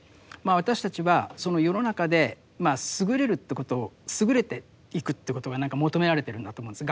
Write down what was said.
私たちはその世の中で優れるということを優れていくということが何か求められてるんだと思うんです。